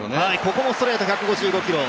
ここもストレート１５５キロ。